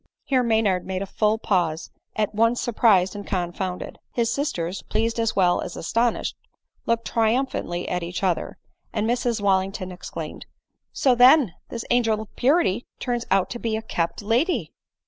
Here Maynard made a full pause — at once surprised and confounded. His sisters, pleased as well as aston ished, looked triumphantly at each other ; and Mrs Wal lington exclaimed, •' So then, this angel of purity, turns out to be a kept lady